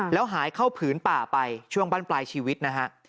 แล้วหายเข้าผืนป่าไปช่วงบ้านปลายชีวิตนะฮะ